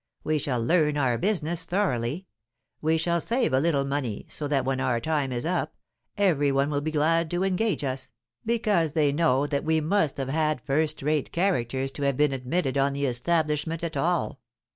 We shall learn our business thoroughly; we shall save a little money, so that, when our time is up, every one will be glad to engage us, because they know that we must have had first rate characters to have been admitted on the establishment at all.'"